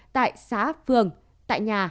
tại xã phường tại nhà